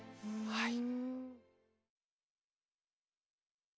はい。